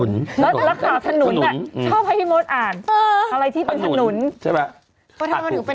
แล้วข่าวถนนชอบให้พี่มดอ่านอะไรที่เป็นถนนใช่ไหม